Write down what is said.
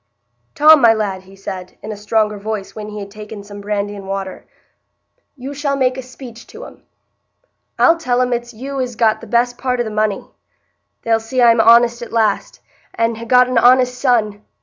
"Tom, my lad," he said, in a stronger voice, when he had taken some brandy and water, "you shall make a speech to 'em. I'll tell 'em it's you as got the best part o' the money. They'll see I'm honest at last, and ha' got an honest son.